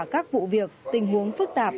các vụ việc tình huống phức tạp